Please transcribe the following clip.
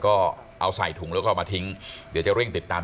ก็เอาใส่ถุงแล้วก็เอามาทิ้งเดี๋ยวจะเร่งติดตาม